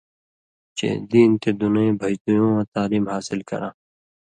چےۡ دین تے دُنَیں بھژدُویُوں واں تعلیم حاصل کراں۔